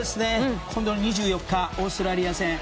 今度の２４日オーストラリア戦。